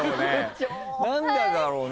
何でだろうね？